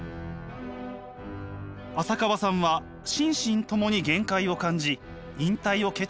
浅川さんは心身ともに限界を感じ引退を決意します。